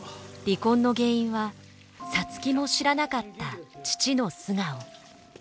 離婚の原因は皐月も知らなかった父の素顔。